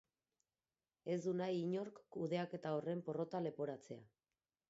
Ez du nahi inork kudeaketa horren porrota leporatzea.